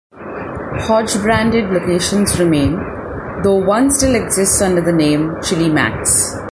Hodge-branded locations remain, though one still exists under the name Chili Mac's.